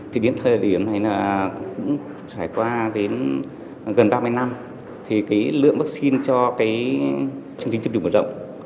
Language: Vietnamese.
thì đến thời điểm này là cũng trải qua đến gần ba mươi năm thì cái lượng vaccine cho cái chương trình tiêm chủng mở rộng